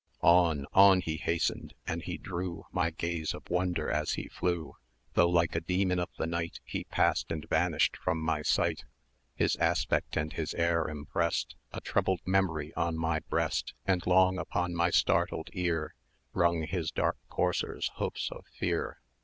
On on he hastened, and he drew 200 My gaze of wonder as he flew:[cv] Though like a Demon of the night He passed, and vanished from my sight, His aspect and his air impressed A troubled memory on my breast, And long upon my startled ear Rung his dark courser's hoofs of fear.